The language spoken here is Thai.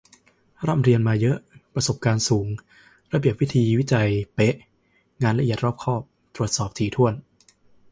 ร่ำเรียนมาเยอะ ประสบการณ์สูง ระเบียบวิธีวิจัยเป๊ะ งานละเอียด รอบคอบ ตรวจสอบถี่ถ้วน